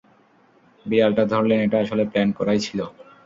বিড়ালটা ধরলেন, এটা আসলে প্ল্যান করাই ছিল।